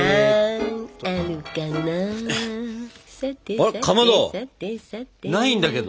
あれかまど。